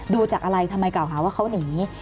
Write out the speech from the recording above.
ดูจากอะไรทำไมกล่าวหาว่าเขาหนี